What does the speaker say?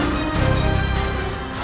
aku akan menangkapmu